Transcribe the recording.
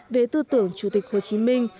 về tư tưởng chủ tịch hồ chí minh